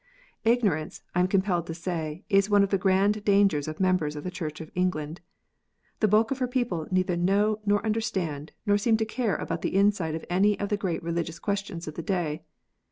Ignorance, I am compelled to say, is one of the grand dangers of members of the Church of England. The bulk of her people neither know, nor understand, nor seem to care about the inside of any of the great religious questions of the day.